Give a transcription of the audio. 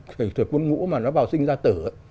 thời thuật quân ngũ mà nó vào sinh ra tử